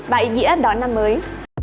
và ý nghĩa đón năm mới